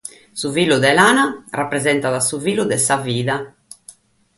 Su filu de lana rapresentat su filu de sa bida.